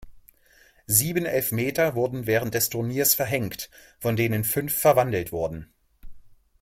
Sieben Elfmeter wurden während des Turniers verhängt, von denen fünf verwandelt wurden.